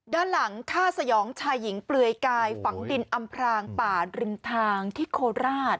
ด้านหลังฆ่าสยองชายหญิงเปลือยกายฝังดินอำพรางป่าริมทางที่โคราช